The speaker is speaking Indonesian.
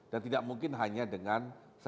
dan tidak mungkin hanya dengan